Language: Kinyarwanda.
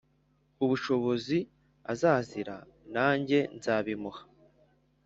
ubushobozi azazira nanjye nzabimuha